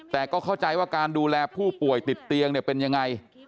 แต่ก็เข้าใจว่าการดูแลผู้ป่วยติดเตียงเนี่ยเป็นยังไง